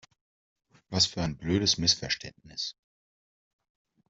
Was für ein blödes Missverständnis!